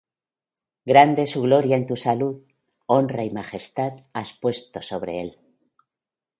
Grande es su gloria en tu salud: Honra y majestad has puesto sobre él.